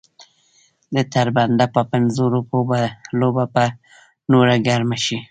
د تر بنده په پنځو روپو لوبه به نوره ګرمه شي.